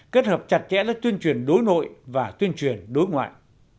kết hợp chặt chẽ với tuyên truyền đối nội và tuyên truyền đối ngoại